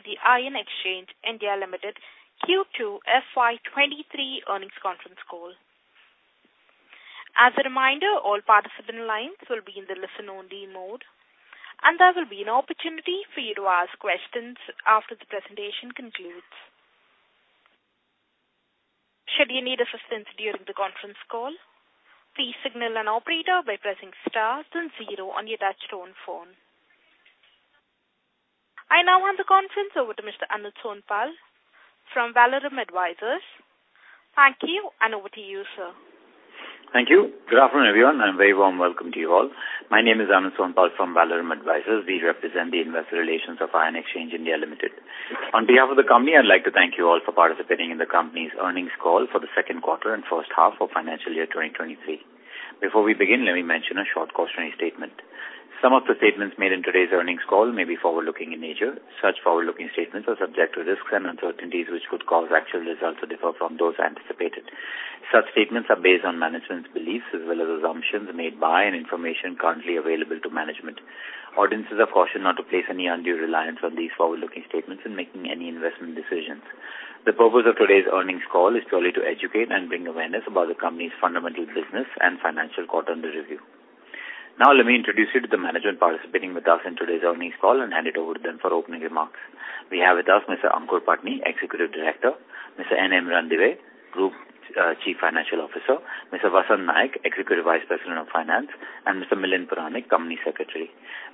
Welcome to the Ion Exchange (India) Limited Q2 FY 2023 earnings conference call. As a reminder, all participant lines will be in the listen-only mode, and there will be an opportunity for you to ask questions after the presentation concludes. Should you need assistance during the conference call, please signal an operator by pressing star then zero on your touch-tone phone. I now hand the conference over to Mr. Anuj Sonpal from Valorem Advisors. Thank you, and over to you, sir. Thank you. Good afternoon, everyone, and a very warm welcome to you all. My name is Anuj Sonpal from Valorem Advisors. We represent the investor relations of Ion Exchange (India) Limited. On behalf of the company, I would like to thank you all for participating in the company's earnings call for the second quarter and first half of FY 2023. Before we begin, let me mention a short cautionary statement. Some of the statements made in today's earnings call may be forward-looking in nature. Such forward-looking statements are subject to risks and uncertainties, which could cause actual results to differ from those anticipated. Such statements are based on management's beliefs as well as assumptions made by and information currently available to management. Audiences are cautioned not to place any undue reliance on these forward-looking statements when making any investment decisions. The purpose of today's earnings call is purely to educate and bring awareness about the company's fundamental business and financial quarter under review. Now let me introduce you to the management participating with us in today's earnings call and hand it over to them for opening remarks. We have with us Mr. Aankur Patni, Executive Director. Mr. N.M. Ranadive, Group Chief Financial Officer. Mr. Vasant Naik, Executive Vice President of Finance, and Mr. Milind Puranik, Company Secretary.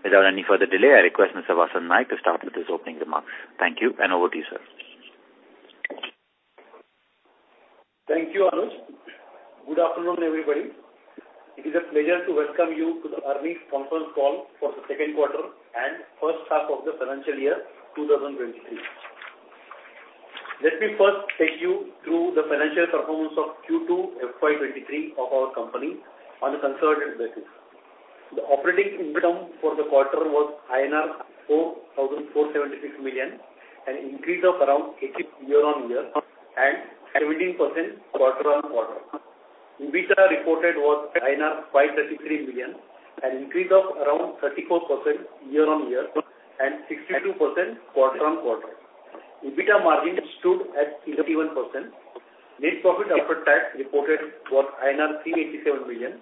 Without any further delay, I request Mr. Vasant Naik to start with his opening remarks. Thank you, and over to you, sir. Thank you, Anuj. Good afternoon, everybody. It is a pleasure to welcome you to the earnings conference call for the second quarter and first half of FY 2023. Let me first take you through the financial performance of Q2 FY 2023 of our company on a consolidated basis. The operating income for the quarter was INR 4,476 million, an increase of around 18% year-on-year and 17% quarter-on-quarter. EBITDA reported was 533 million, an increase of around 34% year-on-year and 62% quarter-on-quarter. EBITDA margin stood at 31%. Net profit after tax reported was INR 387 million,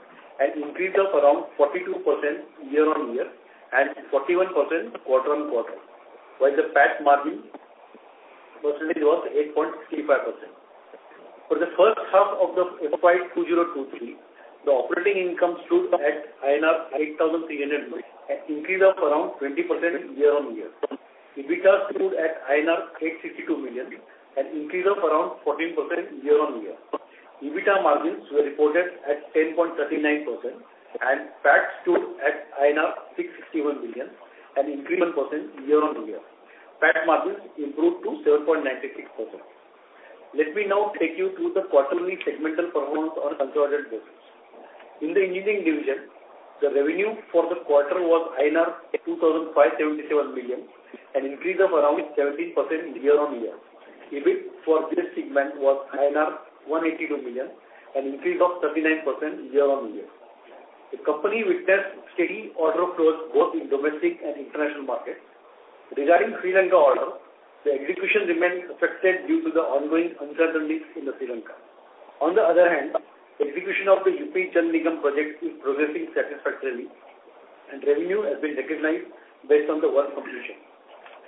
an increase of around 42% year-on-year and 41% quarter-on-quarter. While the PAT margin percentage was 8.65%. For the first half of FY 2023, the operating income stood at INR 8,300, an increase of around 20% year-on-year. EBITDA stood at INR 862 million, an increase of around 14% year-on-year. EBITDA margins were reported at 10.39%. PAT stood at INR 661 million, an increase of 11% year-on-year. PAT margins improved to 7.96%. Let me now take you through the quarterly segmental performance on a consolidated basis. In the engineering division, the revenue for the quarter was INR 2,577 million, an increase of around 17% year-on-year. EBIT for this segment was INR 182 million, an increase of 39% year-on-year. The company witnessed steady order flows both in domestic and international markets. Regarding Sri Lanka order, the execution remains affected due to the ongoing uncertainties in Sri Lanka. On the other hand, execution of the UP Jal Nigam project is progressing satisfactorily, and revenue has been recognized based on the work completion.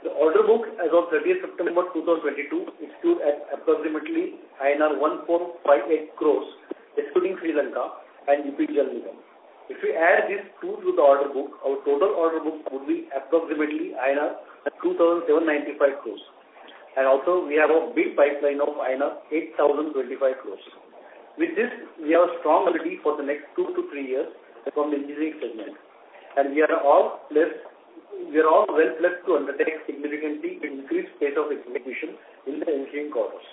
The order book as of 30th September 2022 stood at approximately INR 1.58 crores, excluding Sri Lanka and UP Jal Nigam. If we add these two to the order book, our total order book would be approximately INR 2,795 crores. Also we have a big pipeline of INR 8,025 crores. With this, we have a strong lead for the next two to three years from the engineering segment. We are all well-placed to undertake significantly increased rate of execution in the engineering course.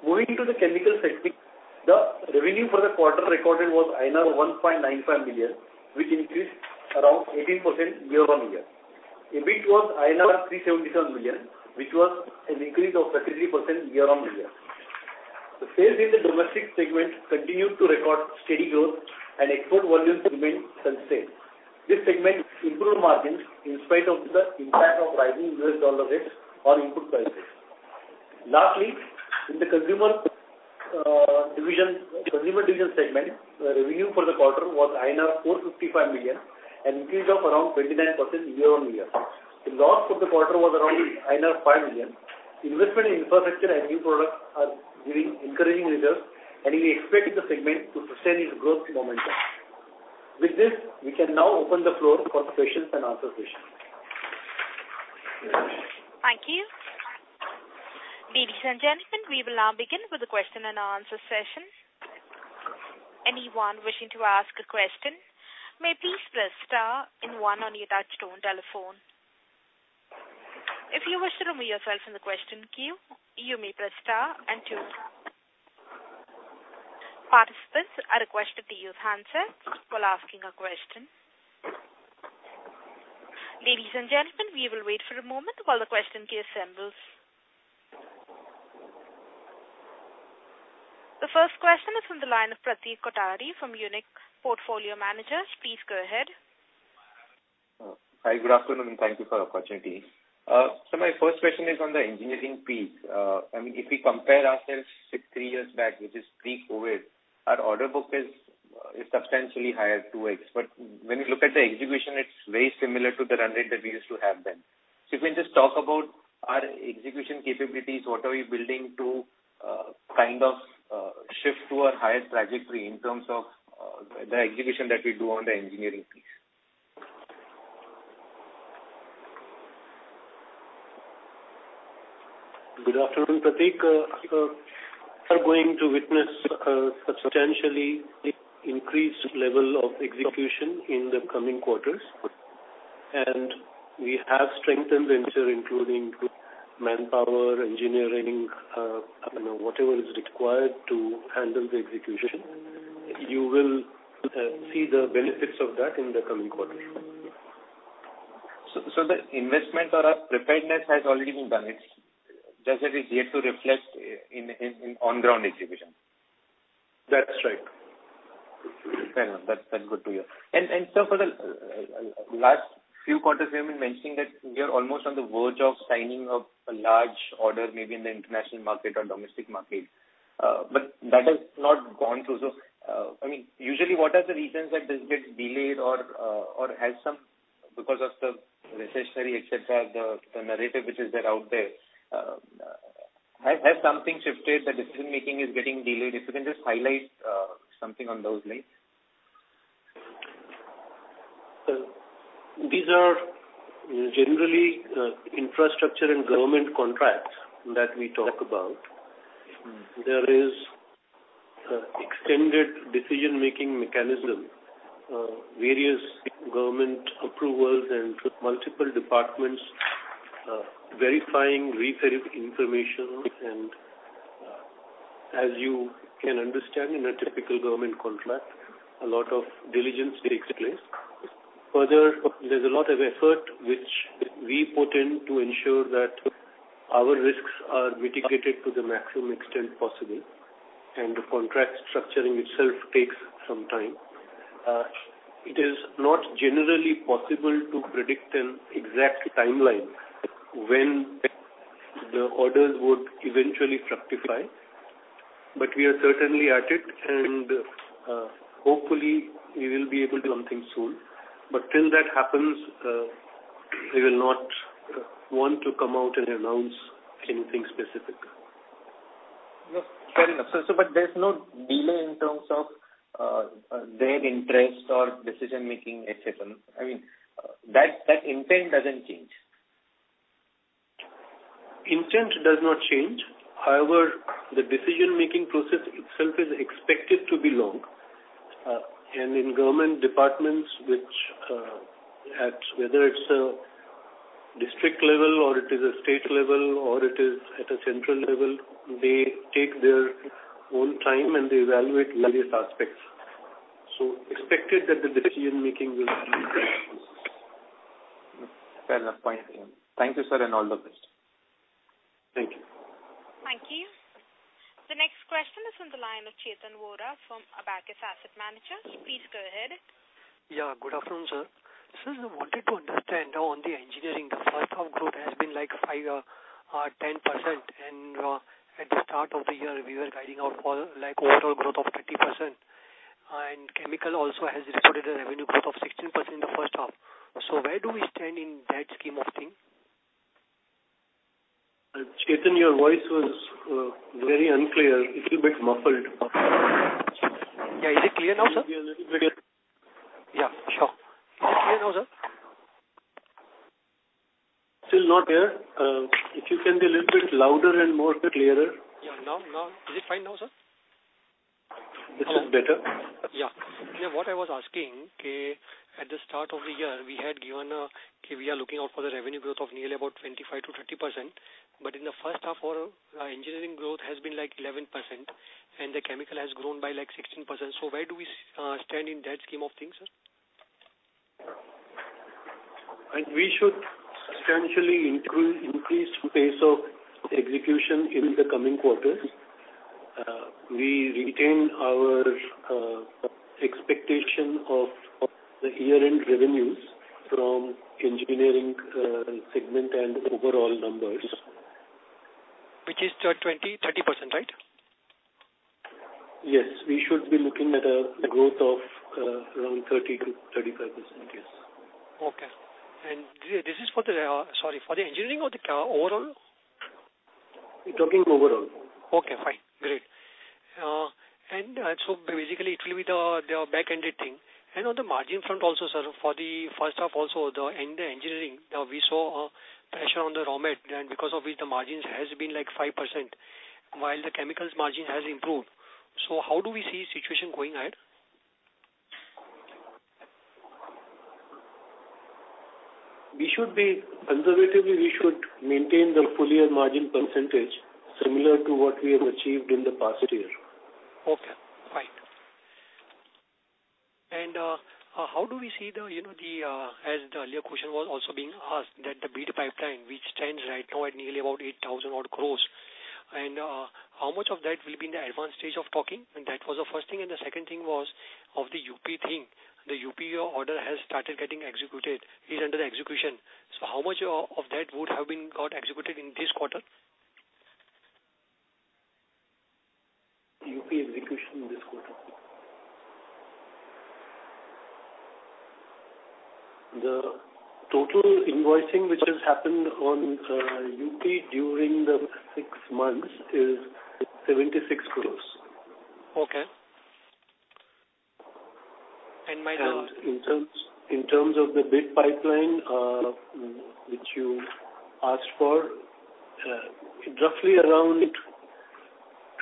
Moving to the chemical segment, the revenue for the quarter recorded was 1.95 million, which increased around 18% year-on-year. EBIT was 377 million, which was an increase of 33% year-on-year. The sales in the domestic segment continued to record steady growth and export volumes remained sustained. This segment improved margins in spite of the impact of rising US dollar rates on input prices. Lastly, in the consumer division segment, the revenue for the quarter was INR 455 million, an increase of around 29% year-on-year. The loss for the quarter was around INR 5 million. Investment in infrastructure and new products are giving encouraging results, and we expect the segment to sustain its growth momentum. With this, we can now open the floor for questions and answer session. Thank you. Ladies and gentlemen, we will now begin with the question and answer session. Anyone wishing to ask a question may please press star and one on your touchtone telephone. If you wish to remove yourself from the question queue, you may press star and two. Participants are requested to use handset while asking a question. Ladies and gentlemen, we will wait for a moment while the question queue assembles. The first question is from the line of Pratik Kothari from Unique Portfolio Managers. Please go ahead. Hi. Good afternoon, and thank you for the opportunity. My first question is on the engineering piece. If we compare ourselves with three years back, which is pre-COVID, our order book is substantially higher, 2x. When you look at the execution, it's very similar to the run rate that we used to have then. If you can just talk about our execution capabilities, what are we building to kind of shift to a higher trajectory in terms of the execution that we do on the engineering piece? Good afternoon, Pratik. I think we are going to witness a substantially increased level of execution in the coming quarters. We have strengthened venture, including manpower, engineering, whatever is required to handle the execution. You will see the benefits of that in the coming quarters. The investment or preparedness has already been done. Just that it's yet to reflect in on-ground execution. That's right. Fair enough. That's good to hear. Sir, for the last few quarters, we have been mentioning that we are almost on the verge of signing a large order, maybe in the international market or domestic market. That has not gone through. Usually, what are the reasons that this gets delayed or has some, because of the recessionary, etc., the narrative which is there out there. Has something shifted that decision-making is getting delayed? If you can just highlight something on those lines. These are generally infrastructure and government contracts that we talk about. There is extended decision-making mechanism, various government approvals and multiple departments verifying, re-verifying information and, as you can understand, in a typical government contract, a lot of diligence takes place. Further, there's a lot of effort which we put in to ensure that our risks are mitigated to the maximum extent possible, and the contract structuring itself takes some time. It is not generally possible to predict an exact timeline when the orders would eventually fructify. We are certainly at it, and hopefully we will be able to do something soon. Till that happens, we will not want to come out and announce anything specific. No. Fair enough. There's no delay in terms of their interest or decision-making, etc. That intent doesn't change. Intent does not change. However, the decision-making process itself is expected to be long. In government departments, whether it is a district level or it is a state level or it is at a central level, they take their own time, and they evaluate various aspects. Expected that the decision-making will take place. Fair enough. Point taken. Thank you, sir, and all the best. Thank you. Thank you. The next question is on the line of Chetan Vora from Abacus Asset Management. Please go ahead. Yeah. Good afternoon, sir. Sir, I wanted to understand on the engineering, the first half growth has been like 5% or 10%, at the start of the year, we were guiding out for overall growth of 30%. Chemical also has reported a revenue growth of 16% in the first half. Where do we stand in that scheme of things? Chetan, your voice was very unclear, a little bit muffled. Yeah. Is it clear now, sir? Maybe a little bit- Yeah, sure. Is it clear now, sir? Still not clear. If you can be a little bit louder and more clearer. Yeah. Is it fine now, sir? This is better. Yeah. What I was asking, at the start of the year, we had given that we are looking out for the revenue growth of nearly about 25%-30%. In the first half our engineering growth has been like 11%, and the chemical has grown by like 16%. Where do we stand in that scheme of things, sir? We should substantially increase pace of execution in the coming quarters. We retain our expectation of the year-end revenues from engineering segment and overall numbers. Which is 30%, right? Yes. We should be looking at a growth of around 30%-35%, yes. Okay. This is for the engineering or the overall? We're talking overall. Okay, fine. Great. Basically, it will be the back-ended thing. On the margin front also, sir, for the first half also, in the engineering, we saw a pressure on the RM, and because of it, the margins has been like 5%, while the chemicals margin has improved. How do we see situation going ahead? Conservatively, we should maintain the full year margin percentage similar to what we have achieved in the past year. Okay, fine. How do we see the, as the earlier question was also being asked, that the bid pipeline, which stands right now at nearly about 8,000 odd crore, how much of that will be in the advanced stage of talking? That was the first thing. The second thing was of the UP thing. The UP order has started getting executed, is under execution. How much of that would have got executed in this quarter? UP execution this quarter. The total invoicing which has happened on UP during the six months is 76 crore. Okay. My last- In terms of the bid pipeline, which you asked for, roughly around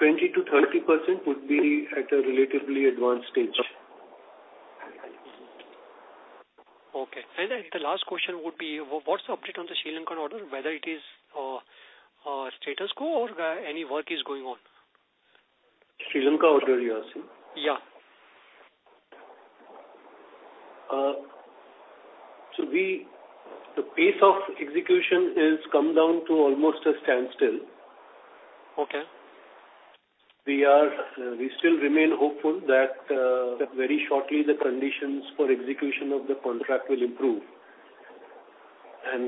20%-30% would be at a relatively advanced stage. Okay. The last question would be, what is the update on the Sri Lankan order, whether it is status quo or any work is going on? Sri Lankan order, you are asking? Yeah. The pace of execution has come down to almost a standstill. Okay. We still remain hopeful that very shortly the conditions for execution of the contract will improve.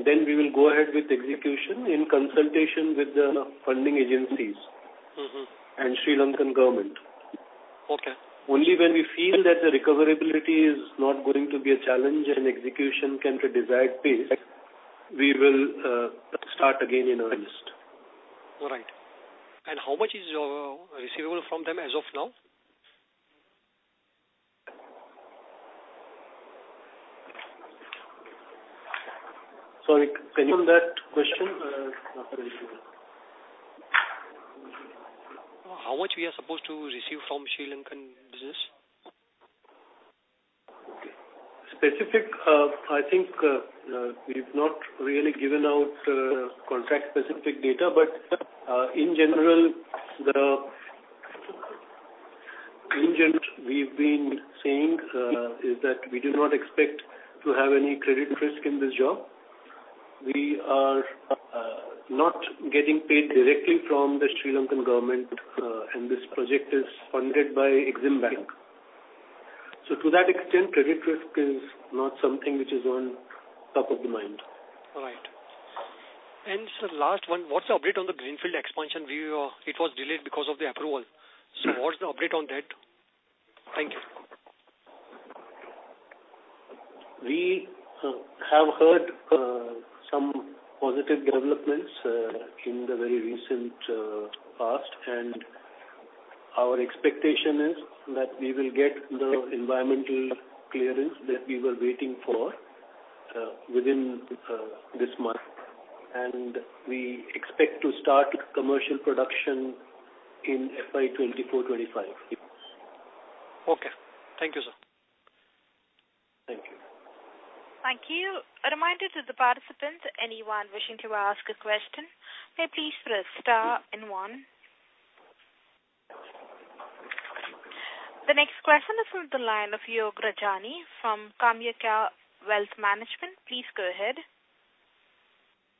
We will go ahead with execution in consultation with the funding agencies. Sri Lankan government. Okay. Only when we feel that the recoverability is not going to be a challenge and execution can at a desired pace, we will start again in earnest. All right. How much is your receivable from them as of now? Sorry, can you repeat that question? Not very clear. How much we are supposed to receive from Sri Lankan business? Okay. I think we've not really given out contract specific data. In general, we've been saying, is that we do not expect to have any credit risk in this job. We are not getting paid directly from the Sri Lankan government. This project is funded by Exim Bank. To that extent, credit risk is not something which is on top of the mind. All right. Sir, last one. What's the update on the greenfield expansion? It was delayed because of the approval. What's the update on that? Thank you. We have heard some positive developments in the very recent past. Our expectation is that we will get the environmental clearance that we were waiting for within this month. We expect to start commercial production in FY 2024, 2025. Okay. Thank you, sir. Thank you. Thank you. A reminder to the participants, anyone wishing to ask a question, may please press star and one. The next question is from the line of Yog Rajani from Kamya Ka Wealth Management. Please go ahead.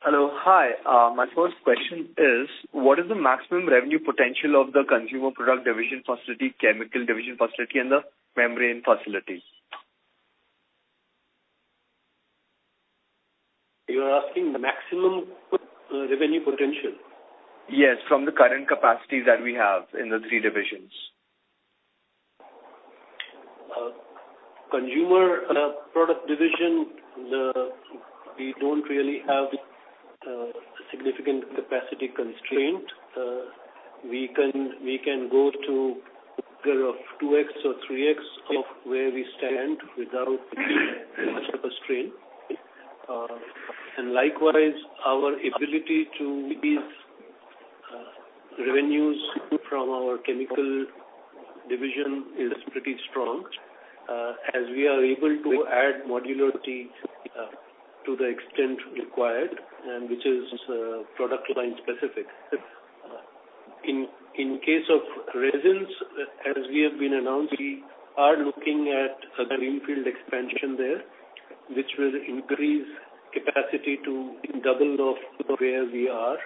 Hello. Hi. My first question is, what is the maximum revenue potential of the consumer product division facility, chemical division facility, and the membrane facility? You're asking the maximum revenue potential? Yes. From the current capacities that we have in the three divisions. Consumer product division, we don't really have a significant capacity constraint. We can go to the order of 2X or 3X of where we stand without much of a strain. Likewise, our ability to increase revenues from our chemical division is pretty strong, as we are able to add modularity to the extent required, and which is product line specific. In case of resins, as we have been announcing, we are looking at a greenfield expansion there, which will increase capacity to double of where we are,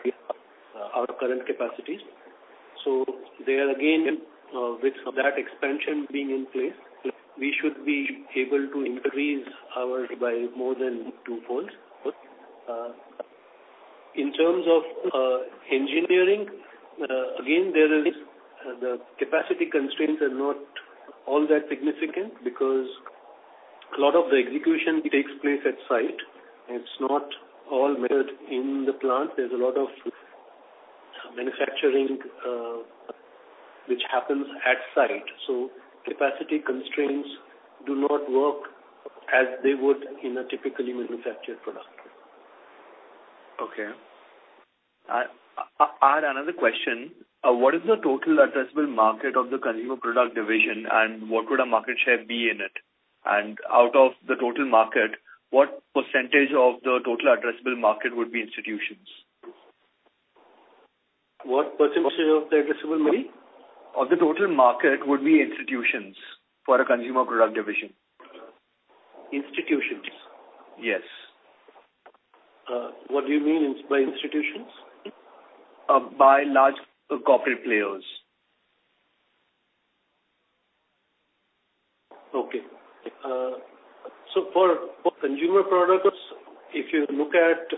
our current capacities. There again, with that expansion being in place, we should be able to increase ours by more than twofolds. In terms of engineering, again, the capacity constraints are not all that significant because a lot of the execution takes place at site. It's not all made in the plant. There's a lot of manufacturing which happens at site. Capacity constraints do not work as they would in a typically manufactured product. Okay. I had another question. What is the total addressable market of the consumer product division, and what would our market share be in it? Out of the total market, what percentage of the total addressable market would be institutions? What percentage of the addressable market? Of the total market would be institutions for a consumer product division. Institutions? Yes. What do you mean by institutions? By large corporate players. Okay. For consumer products, if you look at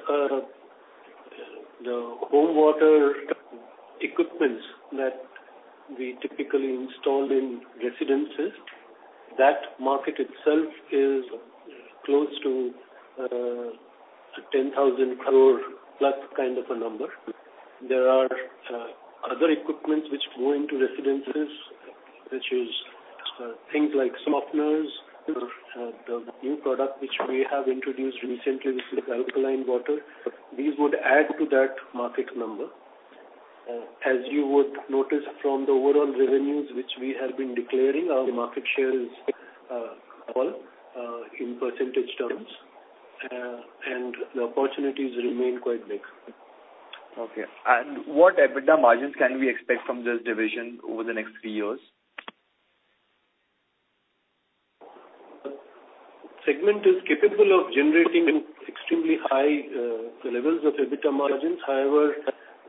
the home water equipments that we typically install in residences, that market itself is close to 10,000 crore plus kind of a number. There are other equipments which go into residences, which is things like softeners. The new product which we have introduced recently, which is alkaline water, these would add to that market number. As you would notice from the overall revenues which we have been declaring, our market share is in percentage terms, the opportunities remain quite big. Okay. What EBITDA margins can we expect from this division over the next three years? Segment is capable of generating extremely high levels of EBITDA margins. However,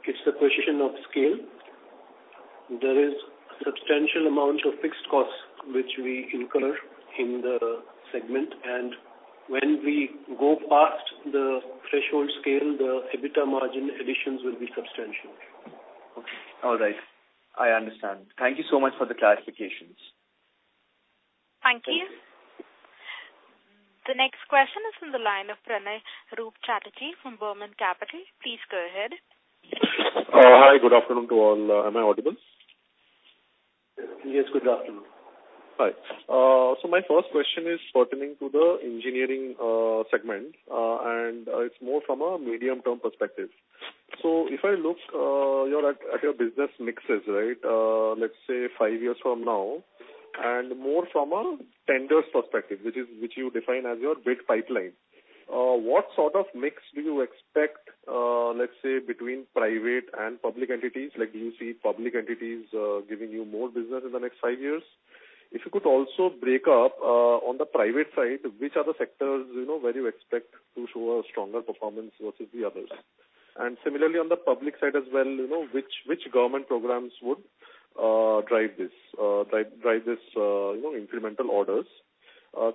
it's a question of scale. There is substantial amount of fixed costs which we incur in the segment. When we go past the threshold scale, the EBITDA margin additions will be substantial. Okay. All right. I understand. Thank you so much for the clarifications. Thank you. The next question is from the line of Pranay Roopchatrachi from Burman Capital. Please go ahead. Hi. Good afternoon to all. Am I audible? Yes. Good afternoon. Hi. My first question is pertaining to the engineering segment, and it's more from a medium-term perspective. If I look at your business mixes, let's say, five years from now and more from a tenders perspective, which you define as your bid pipeline. What sort of mix do you expect, let's say, between private and public entities? Do you see public entities giving you more business in the next five years? If you could also break up, on the private side, which are the sectors where you expect to show a stronger performance versus the others? Similarly, on the public side as well, which government programs would drive these incremental orders?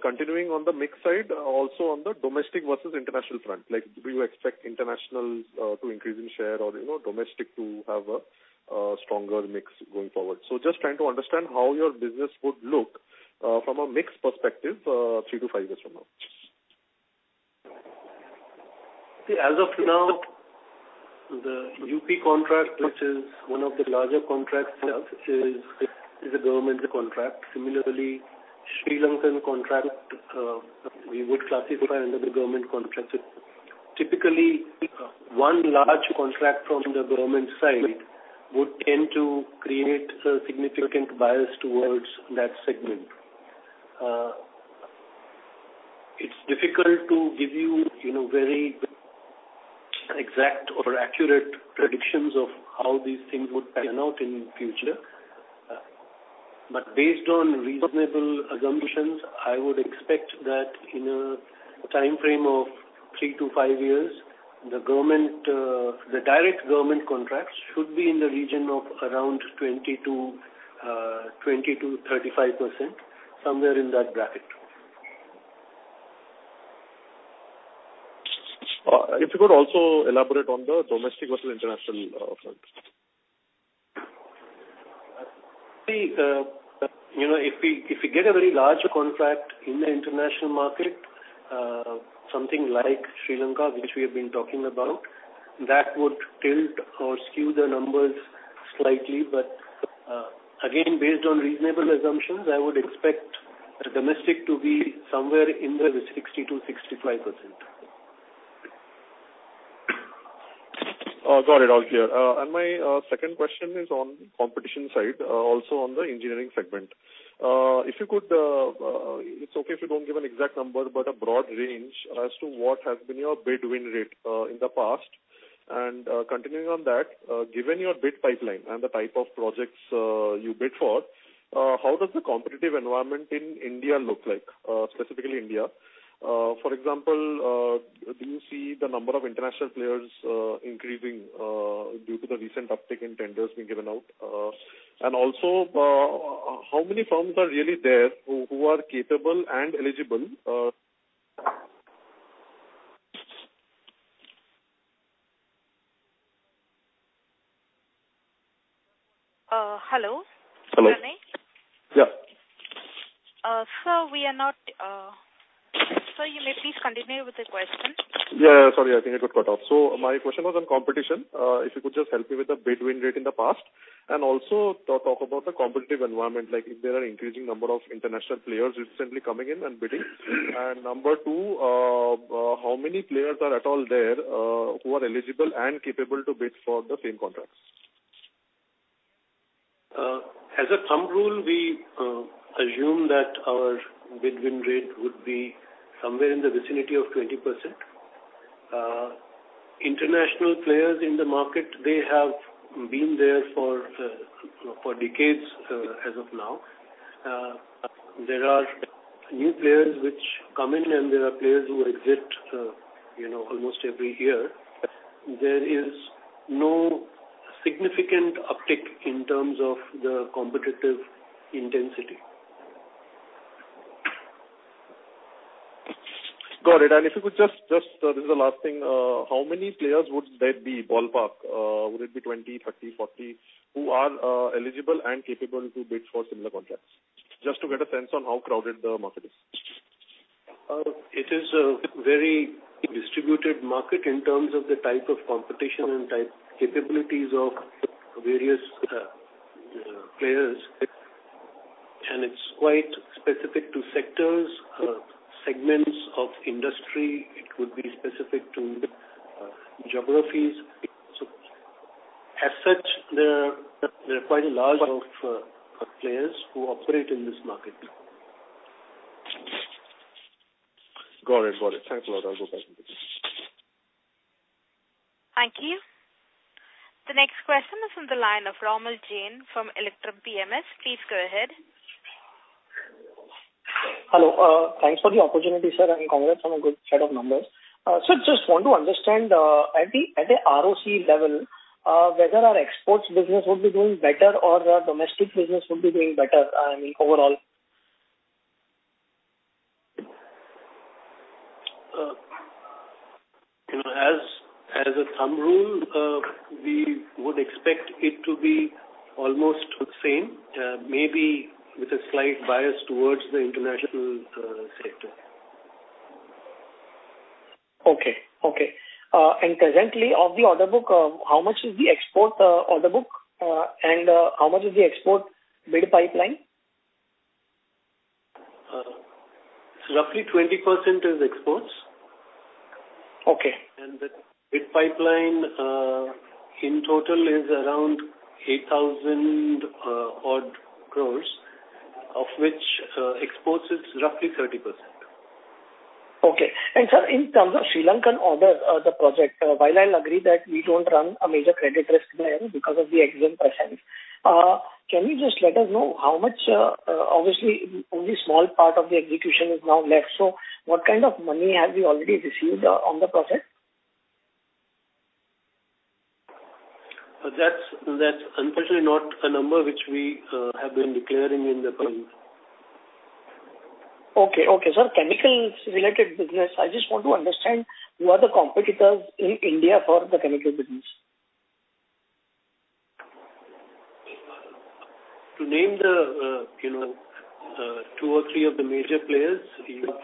Continuing on the mix side, also on the domestic versus international front, do you expect international to increase in share or domestic to have a stronger mix going forward? Just trying to understand how your business would look from a mix perspective 3 to 5 years from now. As of now, the UP contract, which is one of the larger contracts, is a government contract. Similarly, Sri Lankan contract, we would classify under the government contracts. Typically, one large contract from the government side would tend to create a significant bias towards that segment. It's difficult to give you very exact or accurate predictions of how these things would pan out in future. Based on reasonable assumptions, I would expect that in a timeframe of 3 to 5 years, the direct government contracts should be in the region of around 20%-35%, somewhere in that bracket. If you could also elaborate on the domestic versus international front. If we get a very large contract in the international market, something like Sri Lanka, which we have been talking about, that would tilt or skew the numbers slightly. Again, based on reasonable assumptions, I would expect the domestic to be somewhere in the 60%-65%. Got it all clear. My second question is on competition side, also on the engineering segment. It's okay if you don't give an exact number, but a broad range as to what has been your bid-win rate in the past. Continuing on that, given your bid pipeline and the type of projects you bid for, how does the competitive environment in India look like? Specifically India. For example, do you see the number of international players increasing due to the recent uptick in tenders being given out? Also, how many firms are really there who are capable and eligible- Hello. Hello. Pranay. Yeah. Sir, you may please continue with the question. Yeah. Sorry, I think it got cut off. My question was on competition. If you could just help me with the bid-win rate in the past and also talk about the competitive environment, like if there are increasing number of international players recently coming in and bidding. Number two, how many players are at all there who are eligible and capable to bid for the same contracts? As a thumb rule, we assume that our bid-win rate would be somewhere in the vicinity of 20%. International players in the market, they have been there for decades as of now. There are new players which come in, and there are players who exit almost every year. There is no significant uptick in terms of the competitive intensity. Got it. If you could just, this is the last thing, how many players would there be, ballpark? Would it be 20, 30, 40, who are eligible and capable to bid for similar contracts? Just to get a sense on how crowded the market is. It is a very distributed market in terms of the type of competition and type capabilities of various players. It's quite specific to sectors, segments of industry. It would be specific to geographies. As such, there are quite a large of players who operate in this market now. Got it. Thanks a lot. I'll go back. Thank you. The next question is on the line of Romil Jain from Electrum PMS. Please go ahead. Hello. Thanks for the opportunity, sir, congrats on a good set of numbers. Sir, just want to understand, at the ROCE level, whether our exports business would be doing better or our domestic business would be doing better overall. As a thumb rule, we would expect it to be almost the same, maybe with a slight bias towards the international sector. Okay. Currently of the order book, how much is the export order book, and how much is the export bid pipeline? Roughly 20% is exports. Okay. The bid pipeline, in total is around 8,000 odd crores, of which exports is roughly 30%. Okay. Sir, in terms of Sri Lankan orders, the project, while I'll agree that we don't run a major credit risk there because of the Exim presence, can you just let us know how much, obviously, only a small part of the execution is now left. What kind of money have you already received on the project? That's unfortunately not a number which we have been declaring in the past. Okay. Sir, chemicals related business, I just want to understand who are the competitors in India for the chemical business? To name two or three of the major players, you have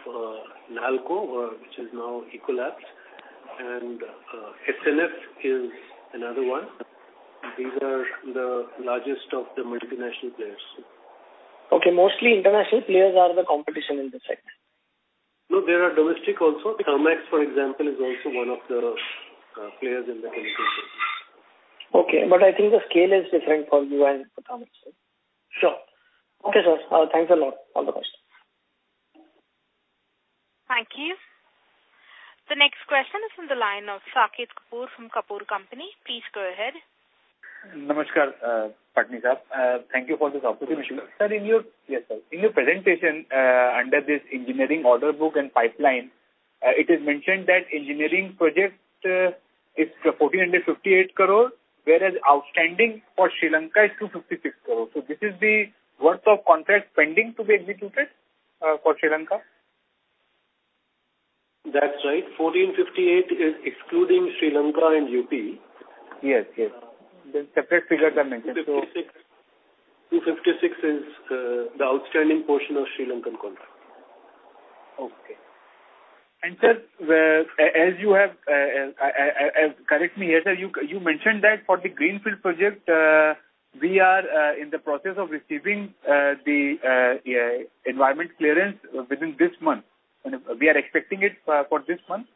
Nalco, which is now Ecolab, and SNF is another one. These are the largest of the multinational players. Okay, mostly international players are the competition in this sector. No, there are domestic also. Thermax, for example, is also one of the players in the chemical space. Okay, I think the scale is different for you and for Thermax. Sure. Okay, sir. Thanks a lot. All the best. Thank you. The next question is on the line of Saket Kapoor from Kapoor & Co. Please go ahead. Namaskar, Patni sir. Thank you for this opportunity. Yes, sir. In your presentation, under this engineering order book and pipeline, it is mentioned that engineering project is 1,458 crores, whereas outstanding for Sri Lanka is 256 crores. Is this the worth of contract pending to be executed for Sri Lanka? That's right. 1,458 crores is excluding Sri Lanka and UP. Yes. There's separate figure done mentioned. INR 256 is the outstanding portion of Sri Lankan contract. Okay. Sir, correct me here, sir, you mentioned that for the greenfield project, we are in the process of receiving the environment clearance within this month. We are expecting it for this month?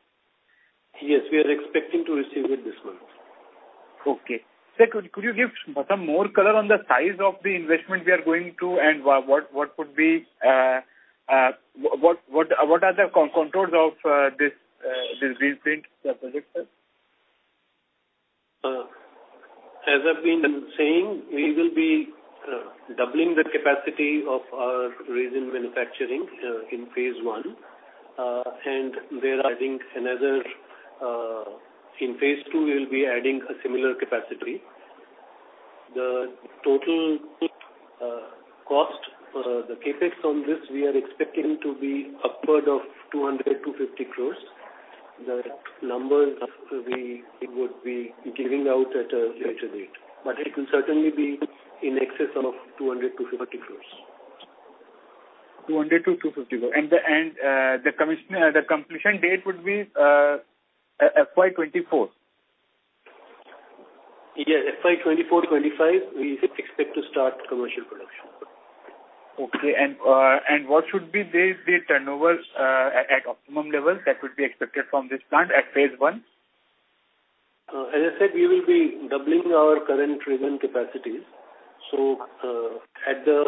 Yes, we are expecting to receive it this month. Okay. Sir, could you give some more color on the size of the investment we are going to, what are the contours of this greenfield project, sir? As I've been saying, we will be doubling the capacity of our resin manufacturing in phase 1. There, I think another, in phase 2, we'll be adding a similar capacity. The total cost, the CapEx on this, we are expecting to be upward of 200-250 crores. The numbers we would be giving out at a later date. It will certainly be in excess of 200-250 crores. 200-250 crores. The completion date would be FY 2024? Yes, FY 2024, 2025, we expect to start commercial production. Okay. What should be the turnover at optimum level that would be expected from this plant at phase 1? As I said, we will be doubling our current resin capacities. At the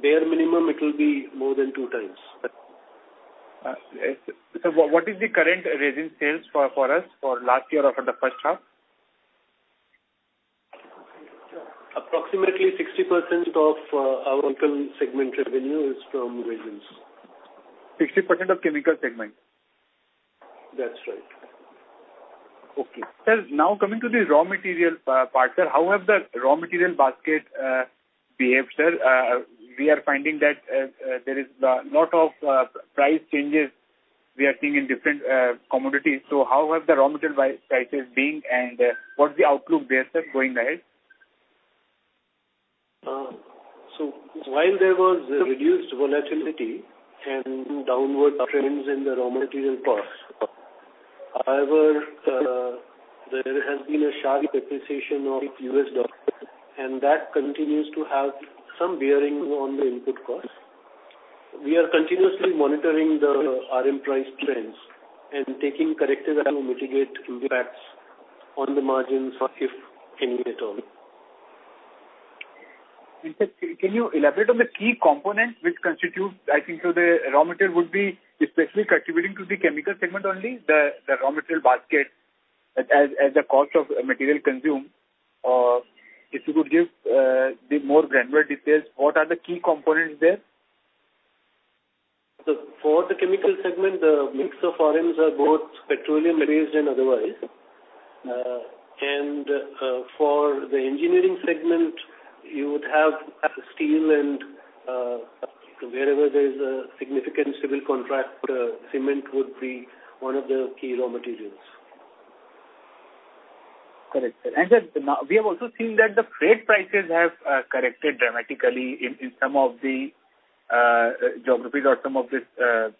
bare minimum, it will be more than two times. What is the current resin sales for us for last year or for the first half? Approximately 60% of our chemical segment revenue is from resins. 60% of chemical segment? That's right. Okay. Sir, now coming to the raw material part, sir, how has the raw material basket behaved, sir? We are finding that there is lot of price changes we are seeing in different commodities. How has the raw material prices being, and what's the outlook there, sir, going ahead? While there was reduced volatility and downward trends in the raw material costs, however, there has been a sharp depreciation of US dollar, and that continues to have some bearing on the input costs. We are continuously monitoring the RM price trends and taking corrective action to mitigate impacts on the margins, if any at all. Sir, can you elaborate on the key components which constitute, I think so the raw material would be especially contributing to the chemical segment only, the raw material basket as a cost of material consumed. If you could give the more granular details, what are the key components there? For the chemical segment, the mix of raw materials are both petroleum-based and otherwise. For the engineering segment, you would have steel and wherever there is a significant civil contract, cement would be one of the key raw materials. Correct, sir. Sir, we have also seen that the freight prices have corrected dramatically in some of the geographies or some of these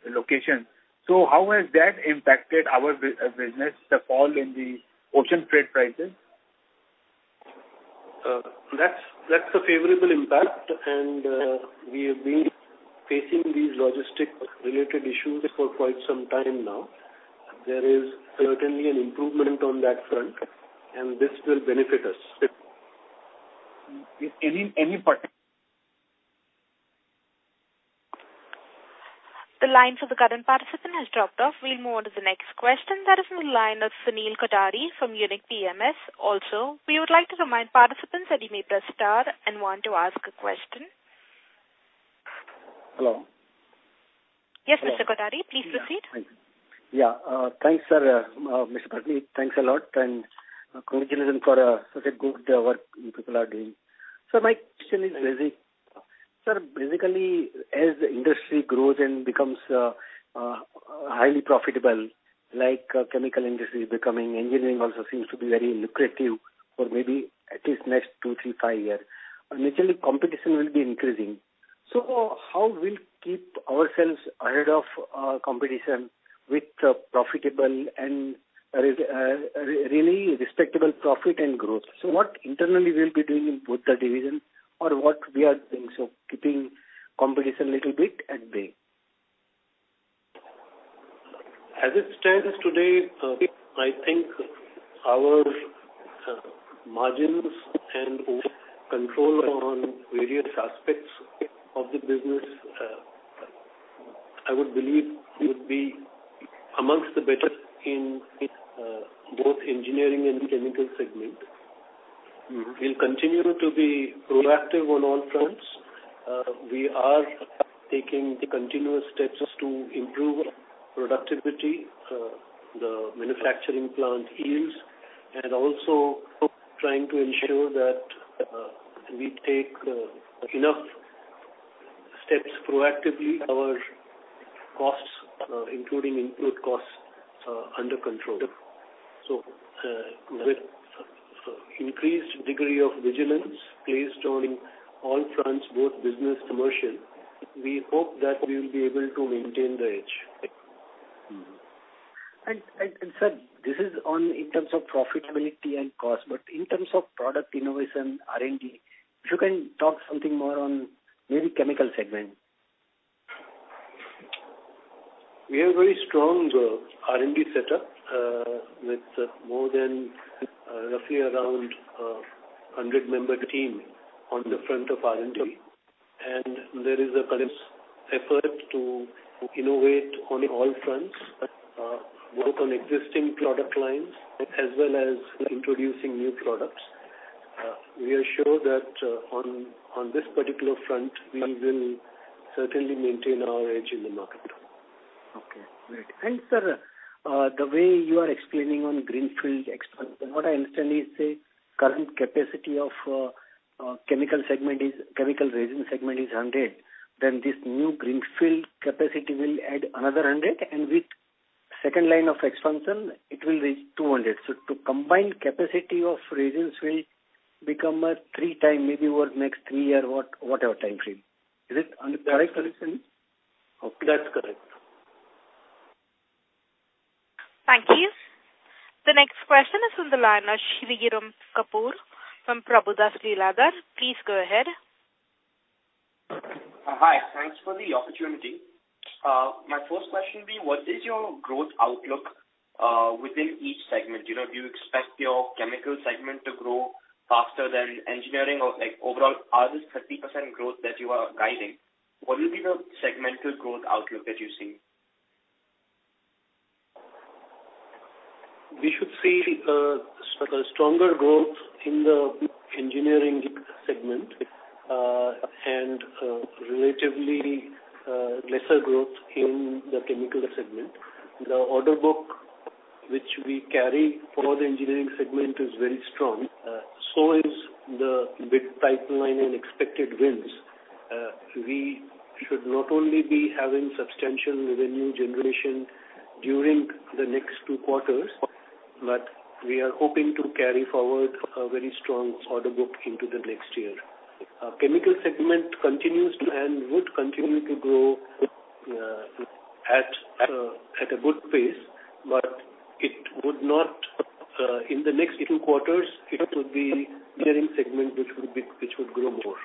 locations. How has that impacted our business, the fall in the ocean freight prices? That's a favorable impact, and we have been facing these logistic-related issues for quite some time now. There is certainly an improvement on that front, and this will benefit us. Any part- The line for the current participant has dropped off. We'll move on to the next question. That is from the line of Sunil Kataria from Unique PMS also. We would like to remind participants that you may press star and one to ask a question. Hello. Yes, Mr. Kataria, please proceed. Yeah. Thanks, Mr. Patni. Thanks a lot, and congratulations for such a good work you people are doing. Sir, my question is basic. Sir, basically, as the industry grows and becomes highly profitable, like chemical industry is becoming, engineering also seems to be very lucrative for maybe at least next two, three, five years. Naturally, competition will be increasing. How we'll keep ourselves ahead of competition with profitable and really respectable profit and growth? What internally we'll be doing in both the division or what we are doing, so keeping competition little bit at bay. As it stands today, I think our margins and control on various aspects of the business, I would believe we would be amongst the better in both engineering and chemical segment. We'll continue to be proactive on all fronts. We are taking the continuous steps to improve our productivity, the manufacturing plant yields, and also trying to ensure that we take enough steps proactively our costs, including input costs, under control. With increased degree of vigilance placed on all fronts, both business commercial, we hope that we will be able to maintain the edge. Sir, this is on in terms of profitability and cost, but in terms of product innovation, R&D, if you can talk something more on maybe chemical segment. We have very strong R&D setup, with more than roughly around 100 member team on the front of R&D. There is a continuous effort to innovate on all fronts, work on existing product lines, as well as introducing new products. We are sure that on this particular front, we will certainly maintain our edge in the market. Okay, great. Sir, the way you are explaining on greenfield expansion, what I understand is the current capacity of chemical resin segment is 100, then this new greenfield capacity will add another 100, and with second line of expansion, it will reach 200. So to combine capacity of resins will become three times, maybe over next three years, whatever time frame. Is it on the direct correlation? Okay. That's correct. Thank you. The next question is on the line. Shriram Kapur from Prabhudas Lilladher. Please go ahead. Hi. Thanks for the opportunity. My first question will be: What is your growth outlook within each segment? Do you expect your chemical segment to grow faster than engineering or overall, are this 30% growth that you are guiding? What will be the segmental growth outlook that you see? We should see a stronger growth in the engineering segment, and relatively lesser growth in the chemical segment. The order book which we carry for the engineering segment is very strong, so is the bid pipeline and expected wins. We should not only be having substantial revenue generation during the next two quarters, but we are hoping to carry forward a very strong order book into the next year. Chemical segment continues to and would continue to grow at a good pace, but in the next two quarters, it would be the engineering segment which would grow more.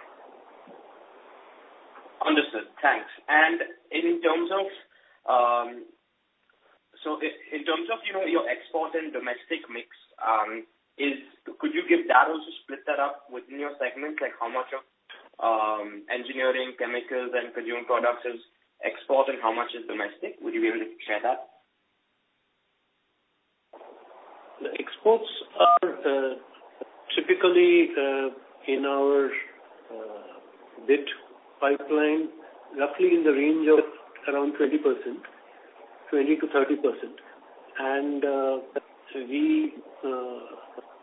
Understood. Thanks. In terms of your export and domestic mix, could you give that also split that up within your segments, like how much of engineering, chemicals, and consumer products is export and how much is domestic? Would you be able to share that? The exports are typically in our bid pipeline, roughly in the range of around 20%-30%. We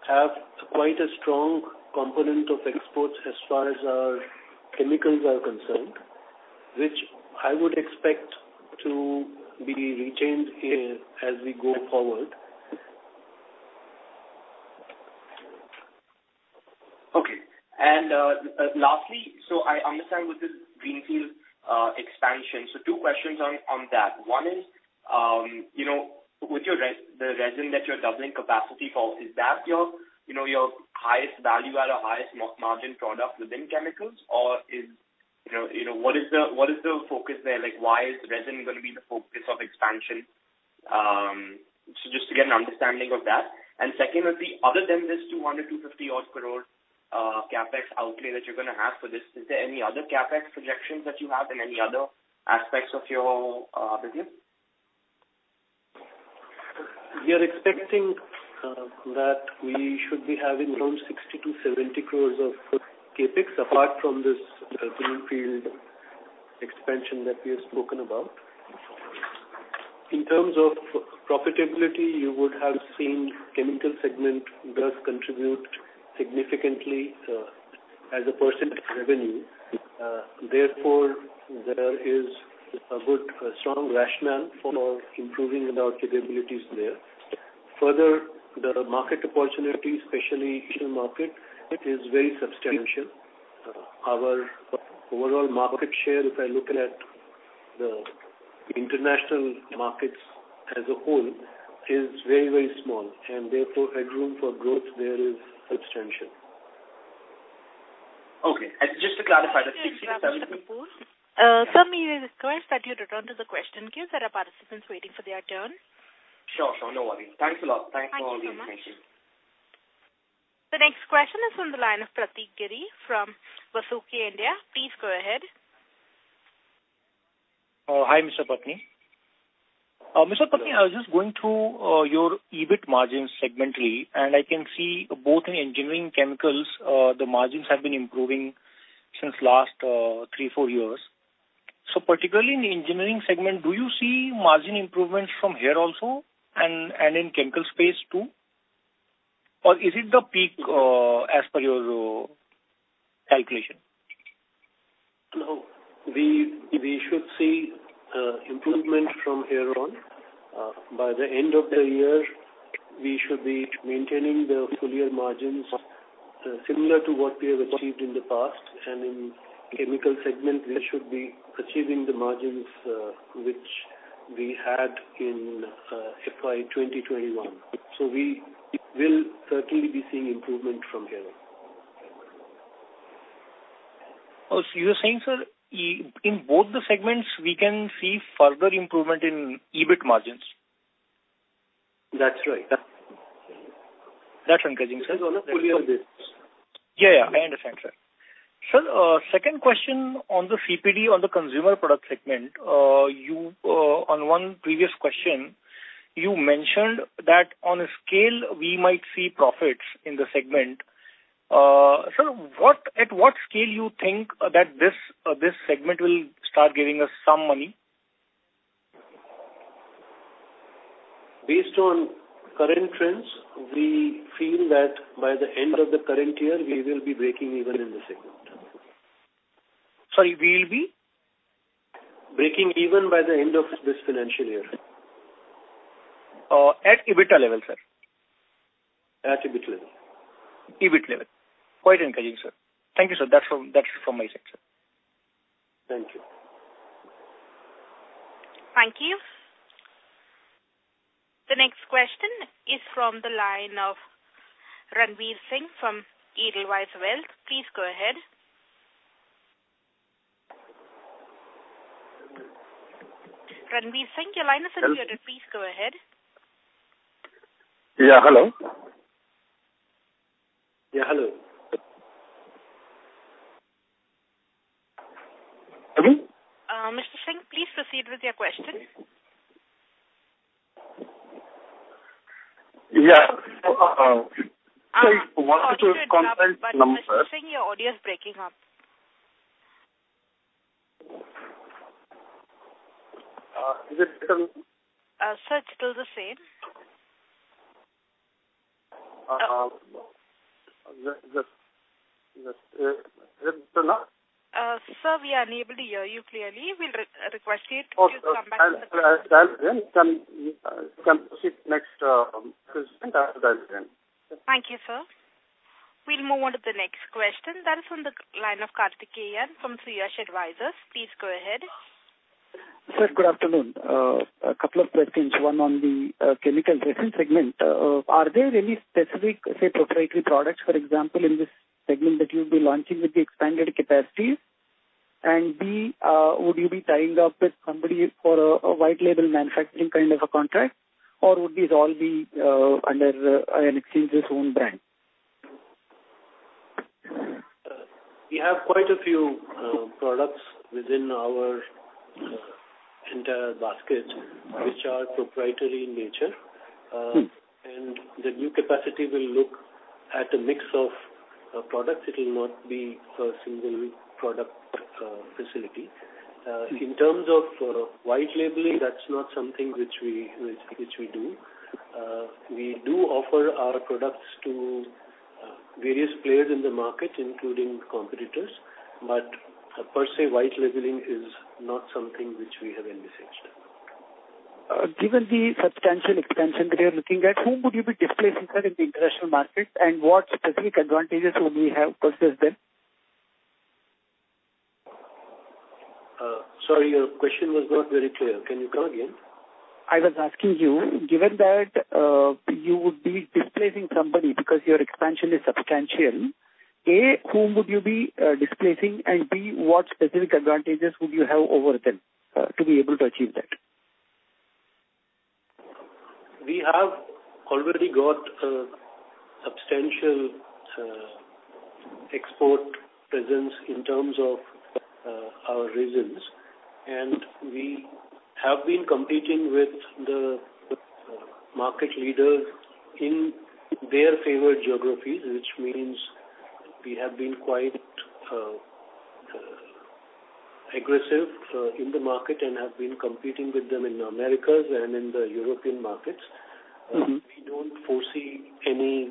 have quite a strong component of exports as far as our chemicals are concerned, which I would expect to be retained as we go forward. Okay. Lastly, I understand with this greenfield expansion. Two questions on that. One is, with the resin that you're doubling capacity for, is that your highest value add or highest margin product within chemicals? What is the focus there? Why is resin going to be the focus of expansion? Just to get an understanding of that. Secondly, other than this 200-250 odd crore CapEx outlay that you're going to have for this, is there any other CapEx projections that you have in any other aspects of your business? We are expecting that we should be having around 60-70 crores of CapEx apart from this greenfield expansion that we have spoken about. In terms of profitability, you would have seen chemical segment does contribute significantly as a percentage revenue. Therefore, there is a good, strong rationale for improving our capabilities there. Further, there are market opportunities, especially Asian market, it is very substantial. Our overall market share, if I look at the international markets as a whole, is very small. Therefore, headroom for growth there is substantial. Okay. Just to clarify that 60 to 70- Mr. Ravisankar Bose, sir, may I request that you return to the question queue, sir? There are participants waiting for their turn. Sure. No worry. Thanks a lot. Thank you so much. Thank you. The next question is from the line of Pratik Giri from Vasuki India. Please go ahead. Hi, Mr. Patni. Mr. Patni, I was just going through your EBIT margin segmentally, and I can see both in engineering chemicals, the margins have been improving since last three, four years. Particularly in the engineering segment, do you see margin improvements from here also and in chemical space too? Or is it the peak as per your calculation? No. We should see improvement from here on. By the end of the year, we should be maintaining the full year margins similar to what we have achieved in the past. In chemical segment, we should be achieving the margins which we had in FY 2021. We will certainly be seeing improvement from here. You're saying, sir, in both the segments, we can see further improvement in EBIT margins. That's right. That's encouraging, sir. This is on a full year basis. Yeah. I understand, sir. Sir, second question on the CPD, on the consumer product segment. On one previous question, you mentioned that on a scale, we might see profits in the segment. Sir, at what scale you think that this segment will start giving us some money? Based on current trends, we feel that by the end of the current year, we will be breaking even in the segment. Sorry, we'll be? Breaking even by the end of this financial year. At EBITDA level, sir. At EBIT level. EBIT level. Quite encouraging, sir. Thank you, sir. That's from my side, sir. Thank you. Thank you. The next question is from the line of Ranveer Singh from Edelweiss Wealth. Please go ahead. Ranveer Singh, your line is unmuted. Please go ahead. Yeah, hello. Yeah, hello. Pardon me. Mr. Singh, please proceed with your question. Yeah. Sorry to interrupt, Mr. Singh, your audio is breaking up. Is it still- Sir, it's still the same Sir, we are unable to hear you clearly. We'll request you to come back. You can proceed next. I'll dial in. Thank you, sir. We'll move on to the next question. That is on the line of Karthik Ayyar from Sriyesh Advisors. Please go ahead. Sir, good afternoon. A couple of questions, one on the chemical resin segment. Are there really specific, say, proprietary products, for example, in this segment that you'll be launching with the expanded capacities? B, would you be tying up with somebody for a white label manufacturing kind of a contract, or would these all be under Ion Exchange's own brand? We have quite a few products within our entire basket which are proprietary in nature. The new capacity will look at a mix of products. It will not be a single product facility. In terms of white labeling, that's not something which we do. We do offer our products to various players in the market, including competitors, but per se white labeling is not something which we have envisaged. Given the substantial expansion that you're looking at, whom would you be displacing, sir, in the international market, and what specific advantages would we have versus them? Sorry, your question was not very clear. Can you come again? I was asking you, given that you would be displacing somebody because your expansion is substantial, A, whom would you be displacing, and B, what specific advantages would you have over them to be able to achieve that? We have already got a substantial export presence in terms of our resins, and we have been competing with the market leaders in their favored geographies, which means we have been quite aggressive in the market and have been competing with them in the Americas and in the European markets. We don't foresee any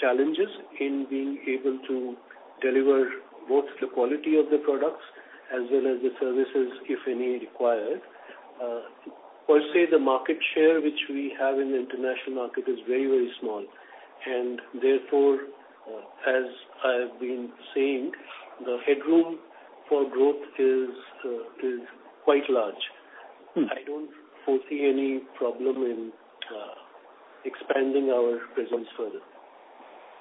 challenges in being able to deliver both the quality of the products as well as the services, if any are required. Per se, the market share which we have in the international market is very small, and therefore, as I've been saying, the headroom for growth is quite large. I don't foresee any problem in expanding our presence further.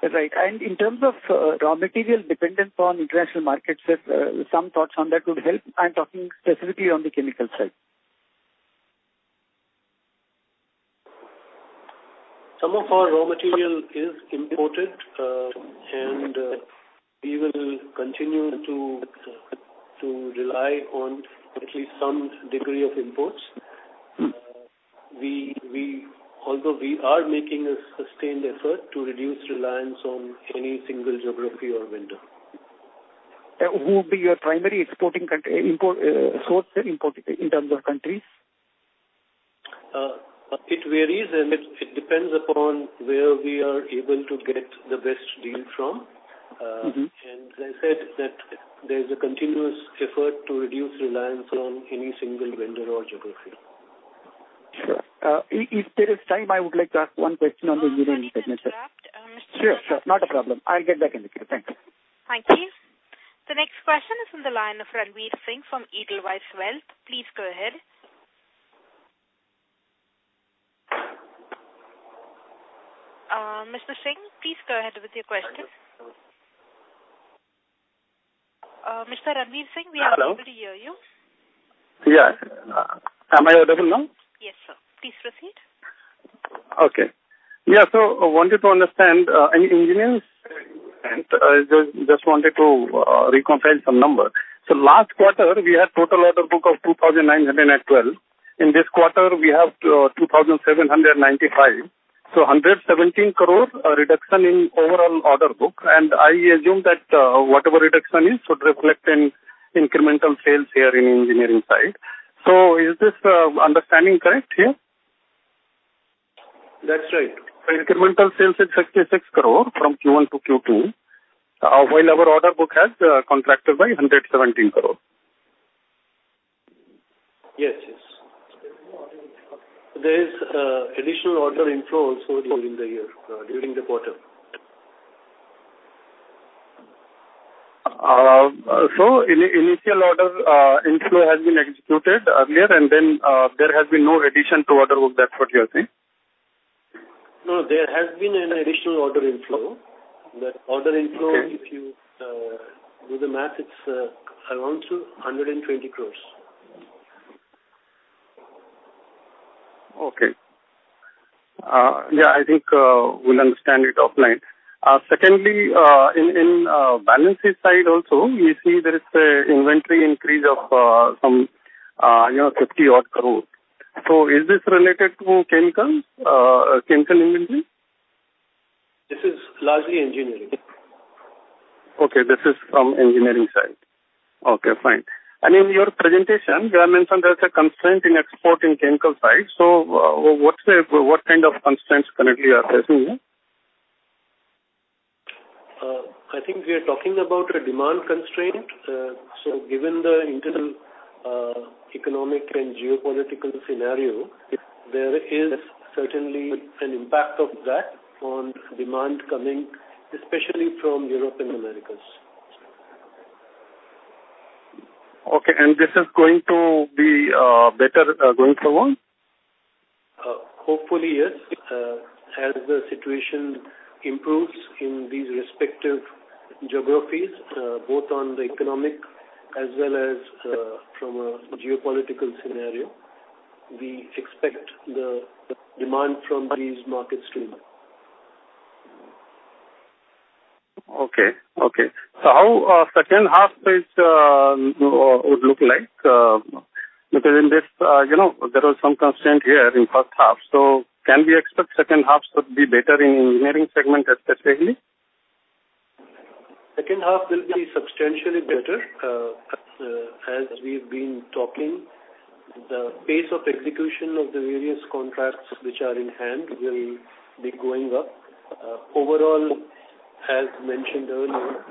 Right. In terms of raw material dependent on international markets, sir, some thoughts on that would help. I'm talking specifically on the chemical side. Some of our raw material is imported, and we will continue to rely on at least some degree of imports. Although we are making a sustained effort to reduce reliance on any single geography or vendor. Who would be your primary source in terms of countries? It varies, and it depends upon where we are able to get the best deal from. As I said that there's a continuous effort to reduce reliance on any single vendor or geography. Sure. If there is time, I would like to ask one question on the engineering segment, sir. Question is wrapped. Sure. Not a problem. I'll get back in the queue. Thank you. Thank you. The next question is on the line of Ranveer Singh from Edelweiss Wealth. Please go ahead. Mr. Singh, please go ahead with your question. Mr. Ranveer Singh, we are unable to hear you. Hello. Yeah. Am I audible now? Yes, sir. Please proceed. Okay. Yeah. I wanted to understand in engineering, and I just wanted to reconcile some numbers. Last quarter, we had total order book of 2,912. In this quarter, we have 2,795. An 117 crore reduction in overall order book. I assume that whatever reduction is should reflect in incremental sales here in engineering side. Is this understanding correct here? That's right. Incremental sales is 66 crore rupees from Q1 to Q2, while our order book has contracted by 117 crore. Yes. There is additional order inflow also during the quarter. Initial order inflow has been executed earlier, there has been no addition to order book. That's what you're saying? No, there has been an additional order inflow. That order inflow- Okay If you do the math, it's around 120 crores. Okay. Yeah, I think we'll understand it offline. Secondly, in balances side also, we see there is an inventory increase of some 50 odd crore. Is this related to chemical inventory? This is largely engineering. Okay. This is from engineering side. Okay, fine. In your presentation, you have mentioned there's a constraint in export in chemical side. What kind of constraints currently you are facing here? I think we are talking about a demand constraint. Given the internal economic and geopolitical scenario, there is certainly an impact of that on demand coming, especially from Europe and Americas. Okay, this is going to be better going forward? Hopefully, yes. As the situation improves in these respective geographies, both on the economic as well as from a geopolitical scenario, we expect the demand from these markets to improve. Okay. How second half would look like? In this, there was some constraint here in first half, can we expect second half to be better in engineering segment especially? Second half will be substantially better. As we've been talking, the pace of execution of the various contracts which are in hand will be going up. Overall, as mentioned earlier,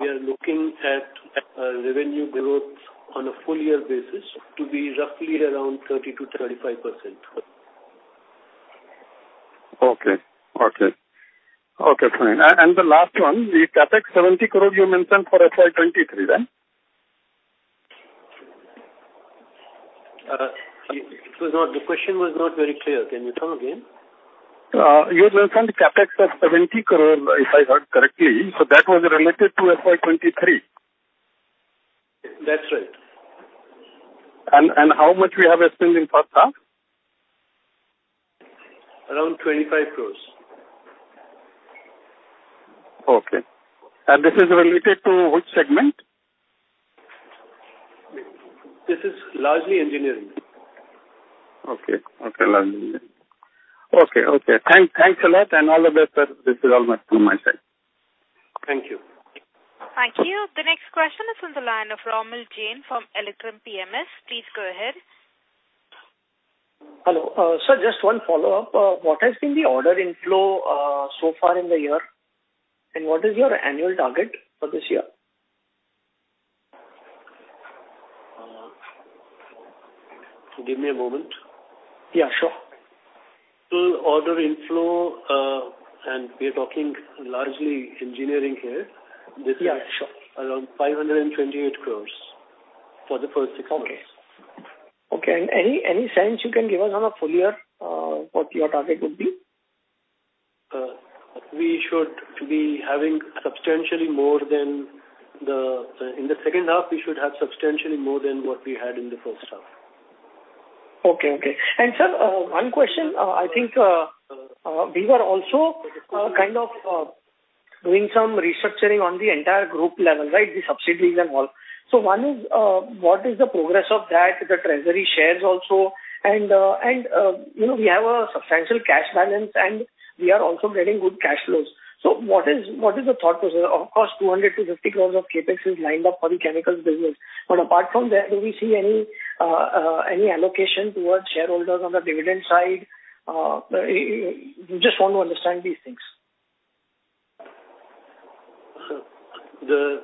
we are looking at revenue growth on a full year basis to be roughly around 30%-35%. Okay. Fine. The last one, the CapEx 70 crore you mentioned for FY 2023, right? The question was not very clear. Can you come again? You mentioned CapEx of 70 crore, if I heard correctly. That was related to FY 2023? That's right. How much we have spent in first half? Around INR 25 crores. Okay. This is related to which segment? This is largely engineering. Okay. Largely engineering. Okay. Thanks a lot, and all the best. This is all from my side. Thank you. Thank you. The next question is on the line of Romil Jain from Electrum PMS. Please go ahead. Hello. Sir, just one follow-up. What has been the order inflow so far in the year, and what is your annual target for this year? Give me a moment. Yeah, sure. Full order inflow, and we're talking largely engineering here. Yeah, sure. this is around 528 crores for the first six months. Okay. Any sense you can give us on a full year, what your target would be? In the second half, we should have substantially more than what we had in the first half. Okay. Sir, one question. I think we were also kind of doing some restructuring on the entire group level, right? The subsidies and all. One is, what is the progress of that, the treasury shares also? We have a substantial cash balance, and we are also getting good cash flows. What is the thought process? Of course, 200 to 250 crores of CapEx is lined up for the chemicals business. Apart from that, do we see any allocation towards shareholders on the dividend side? Just want to understand these things. The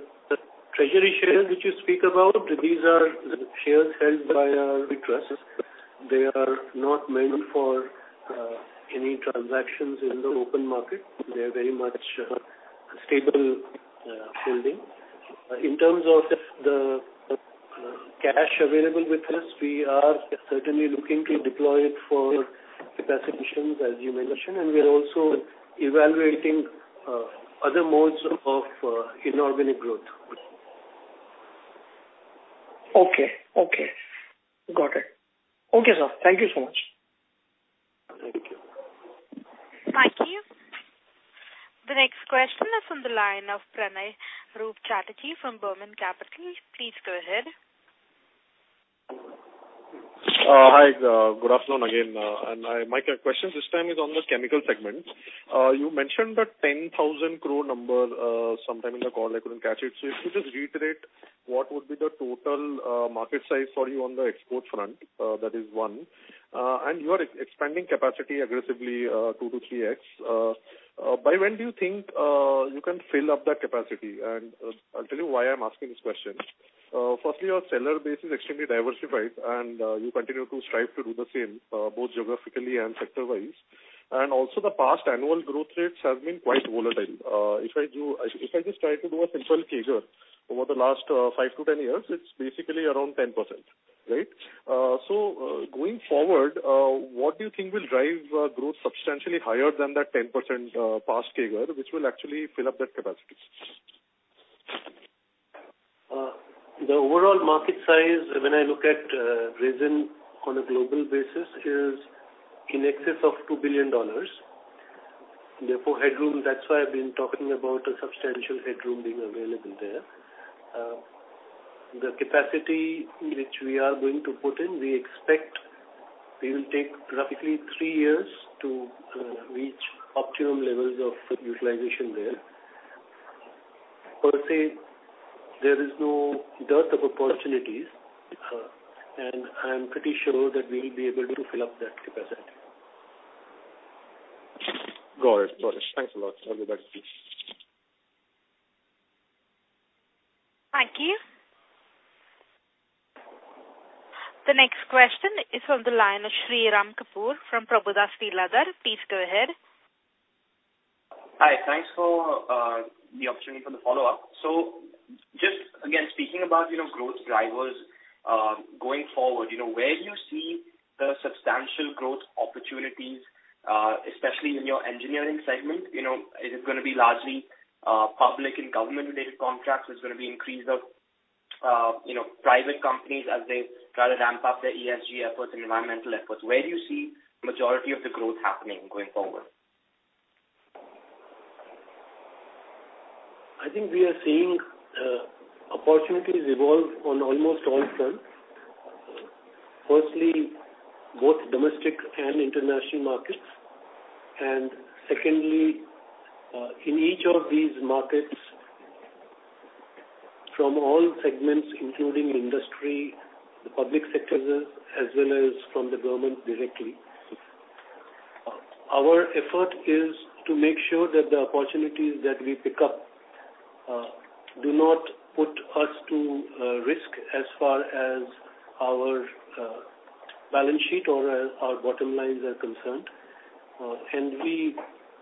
treasury shares which you speak about, these are the shares held by our trust. They are not meant for any transactions in the open market. They're very much a stable holding. In terms of the cash available with us, we are certainly looking to deploy it for capacitations, as you mentioned, and we're also evaluating other modes of inorganic growth. Okay. Got it. Okay, sir. Thank you so much. Thank you. Thank you. The next question is on the line of Pranay Roopchatti from Burman Capital. Please go ahead. Hi. Good afternoon again. My question this time is on the chemical segment. You mentioned the 10,000 crore number sometime in the call, I couldn't catch it. If you just reiterate what would be the total market size for you on the export front. That is one. You are expanding capacity aggressively 2x to 3x. By when do you think you can fill up that capacity? I'll tell you why I'm asking this question. Firstly, your seller base is extremely diversified, and you continue to strive to do the same both geographically and sector-wise. The past annual growth rates have been quite volatile. If I just try to do a simple CAGR over the last five to 10 years, it's basically around 10%. Going forward, what do you think will drive growth substantially higher than that 10% past CAGR, which will actually fill up that capacity? The overall market size, when I look at resin on a global basis, is in excess of $2 billion. Therefore, headroom. That's why I've been talking about a substantial headroom being available there. The capacity which we are going to put in, we expect it will take roughly three years to reach optimum levels of utilization there. Per se, there is no dearth of opportunities, and I'm pretty sure that we will be able to fill up that capacity. Got it. Thanks a lot. All the best. Thank you. The next question is on the line of Shriram Kapur from Prabhudas Lilladher. Please go ahead. Hi. Thanks for the opportunity for the follow-up. Just again, speaking about growth drivers, going forward, where do you see the substantial growth opportunities, especially in your engineering segment? Is it going to be largely public and government related contracts? Is it going to be increase of private companies as they try to ramp up their ESG efforts and environmental efforts? Where do you see majority of the growth happening going forward? I think we are seeing opportunities evolve on almost all fronts. Firstly, both domestic and international markets. Secondly, in each of these markets, from all segments including industry, the public sectors, as well as from the government directly. Our effort is to make sure that the opportunities that we pick up do not put us to risk as far as our balance sheet or as our bottom lines are concerned. We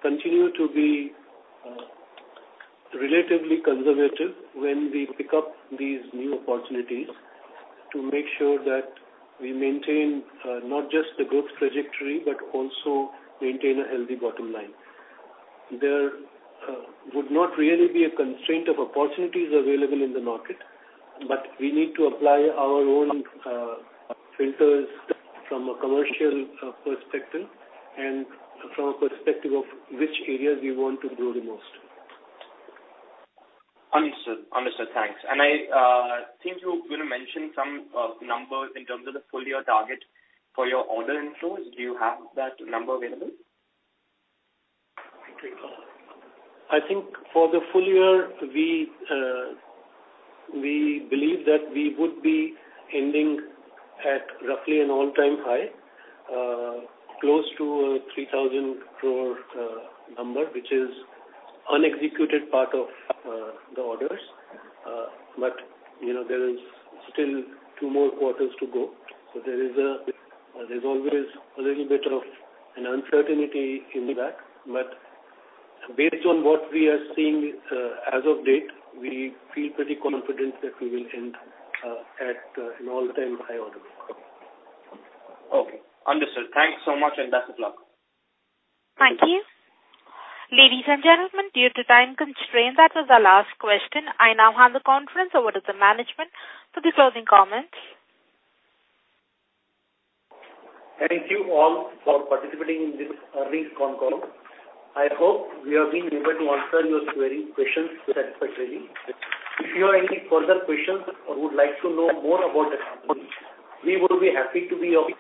continue to be relatively conservative when we pick up these new opportunities to make sure that we maintain not just the growth trajectory, but also maintain a healthy bottom line. There would not really be a constraint of opportunities available in the market. We need to apply our own filters from a commercial perspective and from a perspective of which areas we want to grow the most. Understood. Thanks. I think you mentioned some numbers in terms of the full year target for your order inflows. Do you have that number available? I think for the full year, we believe that we would be ending at roughly an all-time high, close to 3,000 crore number, which is unexecuted part of the orders. There is still two more quarters to go. There's always a little bit of an uncertainty in that. Based on what we are seeing as of date, we feel pretty confident that we will end at an all-time high order book. Okay, understood. Thanks so much, and best of luck. Thank you. Ladies and gentlemen, due to time constraint, that was our last question. I now hand the conference over to the management for the closing comments. Thank you all for participating in this earnings con call. I hope we have been able to answer your query questions satisfactorily. If you have any further questions or would like to know more about the company, we will be happy to be of help.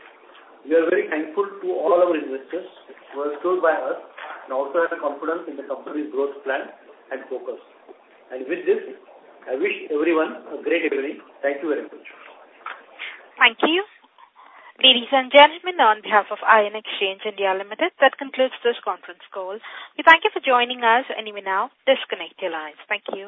We are very thankful to all our investors who are stood by us and also have confidence in the company's growth plan and focus. With this, I wish everyone a great evening. Thank you very much. Thank you. Ladies and gentlemen, on behalf of Ion Exchange (India) Limited, that concludes this conference call. We thank you for joining us, and you may now disconnect your lines. Thank you.